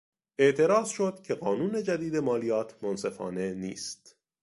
اعتراض شد که قانون جدید مالیات منصفانه نیست.